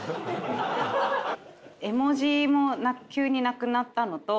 絵文字も急になくなったのと